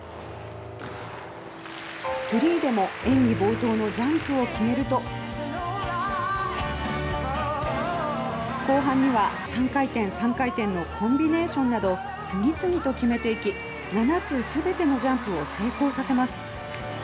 フリーでも演技冒頭のジャンプを決めると後半には３回転、３回転のコンビネーションなど次々と決めていき七つ全てのジャンプを成功させます。